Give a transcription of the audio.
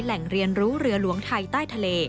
แหล่งเรียนรู้เรือหลวงไทยใต้ทะเล